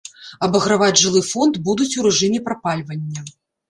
Абаграваць жылы фонд будуць у рэжыме прапальвання.